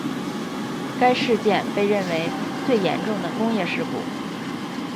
该事件被认为最严重的工业事故。